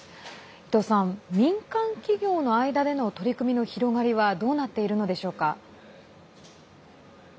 民間企業の間での取り組みの広がりはどうなっているのでしょうか？